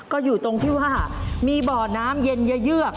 ก็อยู่ตรงที่ว่ามีบ่อน้ำเย็นเยือก